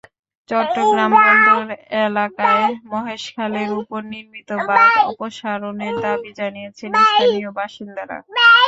চট্টগ্রাম বন্দর এলাকায় মহেশখালের ওপর নির্মিত বাঁধ অপসারণের দাবি জানিয়েছেন স্থানীয় বাসিন্দারা।